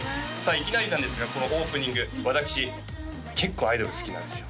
いきなりなんですがこのオープニング私結構アイドル好きなんですよ